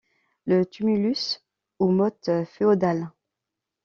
Le tumulus ou motte féodale.